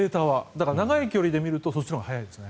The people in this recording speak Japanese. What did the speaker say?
だから、長い距離で見るとそっちのほうが早いですね。